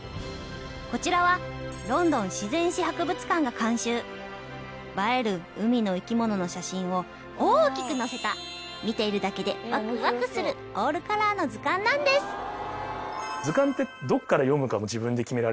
こちらはロンドン自然史博物館が監修映える海の生き物の写真を大きく載せた見ているだけでワクワクするオールカラーの図鑑なんです多少。